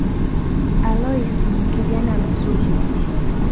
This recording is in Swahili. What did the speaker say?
Alosi ni kijana mzuri